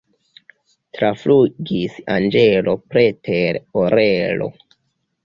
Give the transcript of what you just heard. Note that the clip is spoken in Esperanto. Traflugis anĝelo preter orelo.